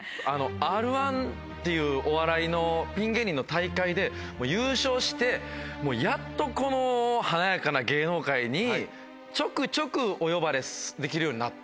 「Ｒ−１」っていうお笑いのピン芸人の大会で優勝してやっとこの華やかな芸能界にちょくちょくお呼ばれできるようになった。